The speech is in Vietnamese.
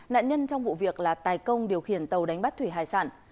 nạn nhân trong vụ việc là tài công điều khiển tàu đánh bắt thủy hải sản